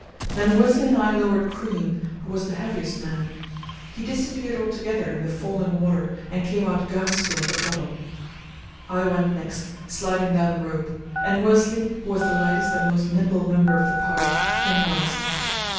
Then Worsley and I lowered Crean, who was the heaviest man. He disappeared altogether in the falling water and came out gasping at the bottom. I went next, sliding down the rope, and Worsley, who was the lightest and most nimble member of the party, came last.